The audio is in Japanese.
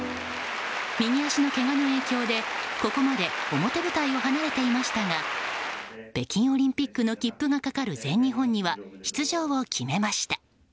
右足のけがの影響でここまで表舞台を離れていましたが北京オリンピックの切符がかかる全日本には出場を決めました。